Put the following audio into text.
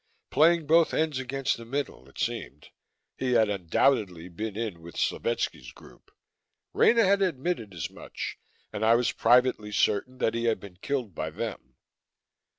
Playing both ends against the middle, it seemed he had undoubtedly been in with Slovetski's group. Rena had admitted as much, and I was privately certain that he had been killed by them.